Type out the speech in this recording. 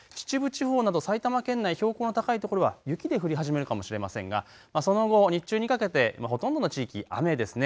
秩父地方など埼玉県内標高の高い所は雪で降り始めるかもしれませんが、その後、日中にかけてほとんどの地域雨ですね。